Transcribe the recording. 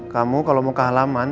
kamu kalau mau ke halaman